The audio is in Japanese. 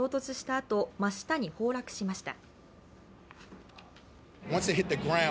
あと真下に崩落しました。